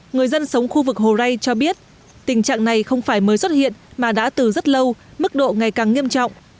người dân sống khu vực hồ ray cho biết tình trạng này không phải mới xuất hiện mà đã từ rất lâu mức độ ngày càng nghiêm trọng